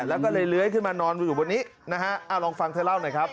แล้วก็เลยเลื้อยขึ้นมานอนอยู่บนนี้นะฮะเอาลองฟังเธอเล่าหน่อยครับ